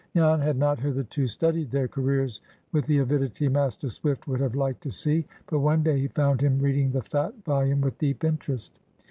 Jan had not hitherto studied their careers with the avidity Master Swift would have liked to see, but one day he found him reading the fat volume with deep interest.